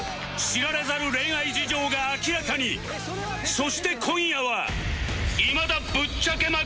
そして今夜は